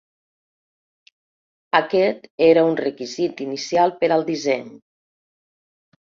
Aquest era un requisit inicial per al disseny.